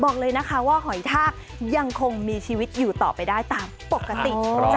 บอกเลยนะคะว่าหอยทากยังคงมีชีวิตอยู่ต่อไปได้ตามปกติ